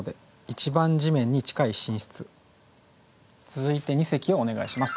続いて二席をお願いします。